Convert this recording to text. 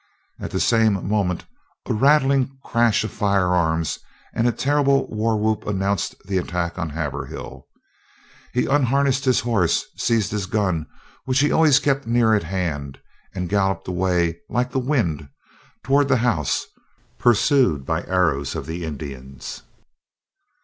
At the same moment, a rattling crash of firearms and the terrible war whoop announced the attack on Haverhill. He unharnessed his horse, seized his gun, which he always kept near at hand, and galloped away like the wind toward the house, pursued by arrows of the Indians.